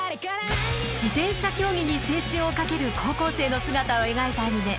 自転車競技に青春をかける高校生の姿を描いたアニメ